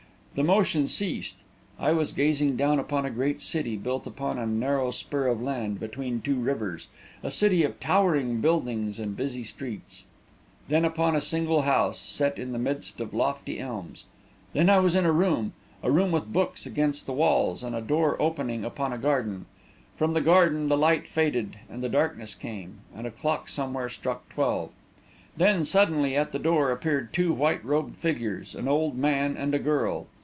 The motion ceased. I was gazing down upon a great city, built upon a narrow spur of land between two rivers, a city of towering buildings and busy streets; then upon a single house, set in the midst of lofty elms; then I was in a room, a room with books against the walls, and a door opening upon a garden. From the garden the light faded, and the darkness came, and a clock somewhere struck twelve. Then, suddenly, at the door appeared two white robed figures, an old man and a girl.